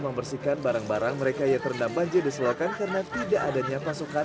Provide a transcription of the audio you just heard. membersihkan barang barang mereka yang terendam banjir di selokan karena tidak adanya pasokan